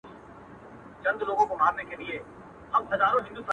o حقيقت د وخت قرباني کيږي تل,